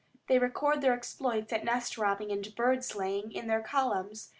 They record their exploits at nest robbing and bird slaying in their columns.